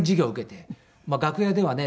楽屋ではね